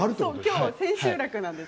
今日は千秋楽なんです。